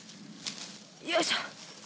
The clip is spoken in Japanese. よいしょ。